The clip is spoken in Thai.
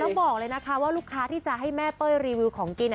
แล้วบอกเลยนะคะว่าลูกค้าที่จะให้แม่เป้ยรีวิวของกิน